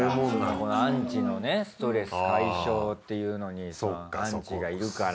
このアンチのねストレス解消っていうのにアンチがいるから。